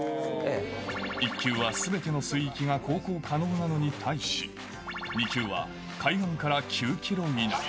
１級はすべての水域が航行可能に対し、２級は海岸から９キロ以内。